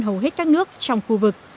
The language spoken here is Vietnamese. hầu hết các nước trong khu vực